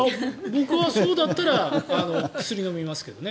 僕は、そうだったら薬飲みますけどね。